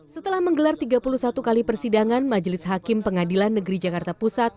setelah menggelar tiga puluh satu kali persidangan majelis hakim pengadilan negeri jakarta pusat